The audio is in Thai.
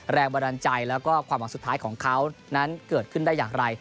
แรงบันดาลใจแล้วก็ความหวังสุดท้ายของเขานั้นเกิดขึ้นได้อย่างไร